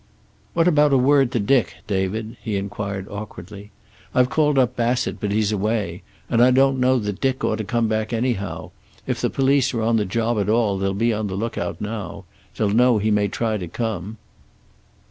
"What about word to Dick, David?" he inquired awkwardly, "I've called up Bassett, but he's away. And I don't know that Dick ought to come back anyhow. If the police are on the job at all they'll be on the lookout now. They'll know he may try to come."